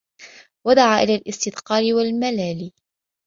وَدَعَا إلَى الِاسْتِثْقَالِ وَالْمَلَالِ